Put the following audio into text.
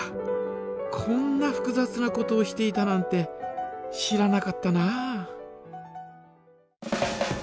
こんなふくざつなことをしていたなんて知らなかったなあ。